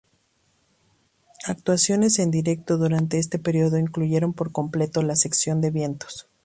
Actuaciones en directo durante este período excluyeron por completo la sección de vientos.